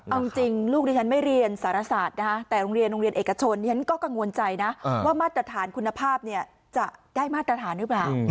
เอาจริงลูกดิฉันไม่เรียนสารศาสตร์นะคะแต่โรงเรียนโรงเรียนเอกชนฉันก็กังวลใจนะว่ามาตรฐานคุณภาพเนี่ยจะได้มาตรฐานหรือเปล่า